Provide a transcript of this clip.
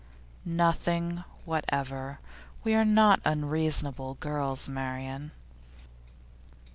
'Nothing whatever. We are not unreasonable girls, Marian.